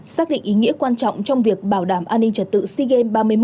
xác định ý nghĩa quan trọng trong việc bảo đảm an ninh trật tự sigem ba mươi một